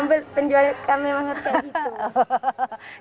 iya penjualnya memang harus kayak gitu